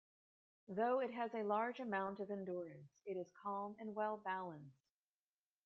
Though it has a large amount of endurance, it is calm and well balanced.